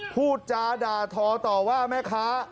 พูดจาด่าทอต่อว่าไหมคะ